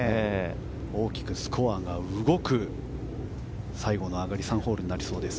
大きくスコアが動く最後の上がり３ホールになりそうです。